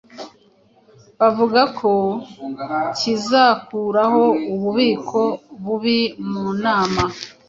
bavuga ko kizakuraho ububiko bubi munama